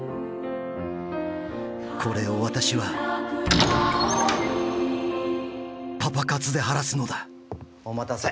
これを私はパパ活で晴らすのだお待たせ。